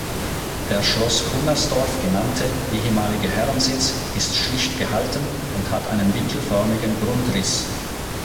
Der Schloss Cunnersdorf genannte ehemalige Herrensitz ist schlicht gehalten und hat einen winkelförmigen Grundriss.